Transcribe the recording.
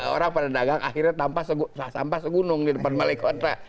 orang pada dagang akhirnya tanpa sampah segunung di depan balai kota